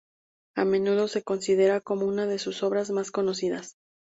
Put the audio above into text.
A menudo se considera como una de sus obras más conocidas.